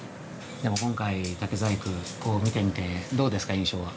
今回、竹細工を見てみてどうですか、印象は。